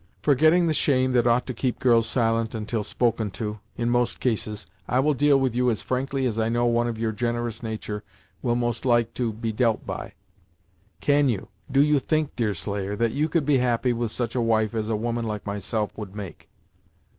Forgetting the shame that ought to keep girls silent until spoken to, in most cases, I will deal with you as frankly as I know one of your generous nature will most like to be dealt by. Can you do you think, Deerslayer, that you could be happy with such a wife as a woman like myself would make?"